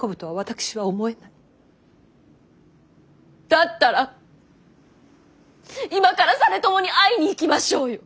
だったら今から実朝に会いに行きましょうよ。